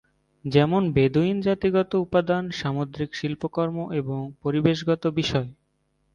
যেমন বেদুইন জাতিগত উপাদান, সামুদ্রিক শিল্পকর্ম এবং পরিবেশগত বিষয়।